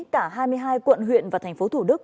cả hai mươi hai quận huyện và thành phố thủ đức